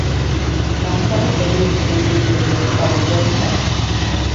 Taŋkpaɣu ti lu bua nin’ ni zuɣu ka bɛ doli taba.